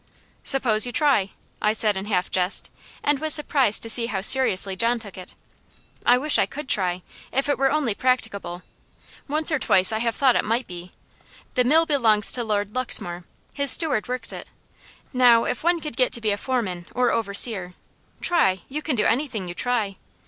"Suppose you try!" I said in half jest, and was surprised to see how seriously John took it. "I wish I could try if it were only practicable. Once or twice I have thought it might be. The mill belongs to Lord Luxmore. His steward works it. Now, if one could get to be a foreman or overseer " "Try you can do anything you try."